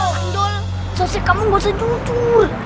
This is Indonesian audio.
pandol sose kamu nggak usah jujur